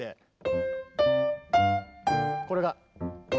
これが。